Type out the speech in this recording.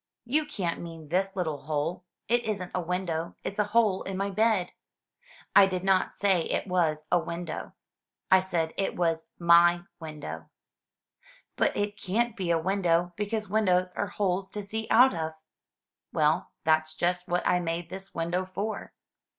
*' "You can*t mean this little hole! It isn't a window; it's a hole in my bed." " I did not say it was a window. I said it was my window." "But it can't be a window, because windows are holes to see out of." "Well, that's just what I made this window for."